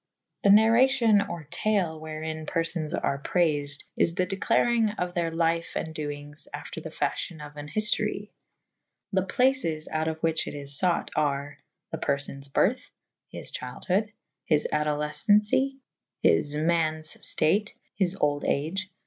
The Narracion or tale wherin perfones are prayfed / is the declarynge of theyr lyfe and doynges after the fafl'hyon of an hyftorye. The places out of the whiche it is fought are : The perfones byrthe. His chyldhode. His adolefcencie. His ma«nes ftate. His olde age.